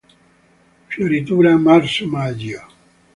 Fioritura: marzo-maggio.